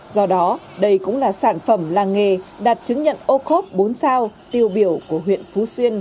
do đó đây cũng là sản phẩm làng nghề đạt chứng nhận ocop bốn sao tiêu biểu của huyện phú xuân